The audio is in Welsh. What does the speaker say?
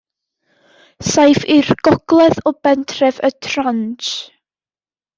Saif i'r gogledd o bentref Y Transh.